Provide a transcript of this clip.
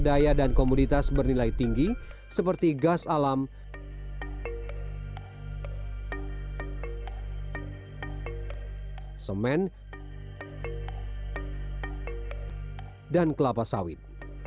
daya dan komoditas bernilai tinggi seperti gas alam semen dan kelapa sawit